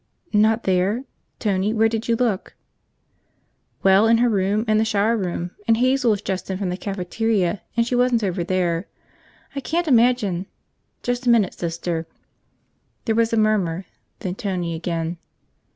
"Not there? Tony, where did you look?" "Well, in her room and the shower room, and Hazel is just in from the cafeteria and she wasn't over there. I can't imagine ... just a minute, Sister." There was a murmur, then Tony again.